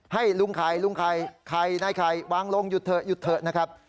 ให้ลุงไข่ลุงไข่ไข่ในไข่วางลงหยุดเถอะหยุดเถอะนะครับ